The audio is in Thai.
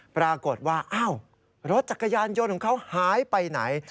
ปรากฏว่าอ้าวรถจักรยานยนต์ของเขาหายไปไหน